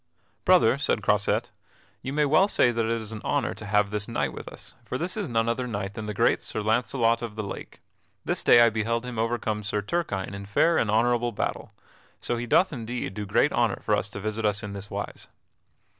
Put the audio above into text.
"Brother," said Croisette, "you may well say that it is an honor to have this knight with us, for this is none other knight than the great Sir Launcelot of the Lake. This day I beheld him overcome Sir Turquine in fair and honorable battle. So he doth indeed do great honor for to visit us in this wise."